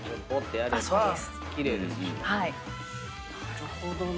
なるほどね。